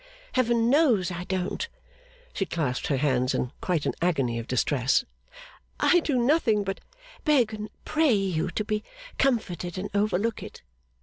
Heaven knows I don't!' She clasped her hands in quite an agony of distress. 'I do nothing but beg and pray you to be comforted and overlook it.